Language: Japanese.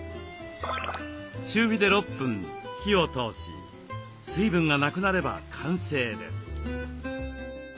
中火で６分火を通し水分がなくなれば完成です。